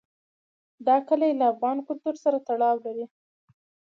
دا کلي له افغان کلتور سره تړاو لري.